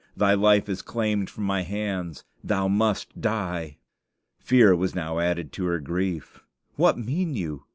Thy life is claimed from my hands; thou must die!" Fear was now added to her grief. "What mean you?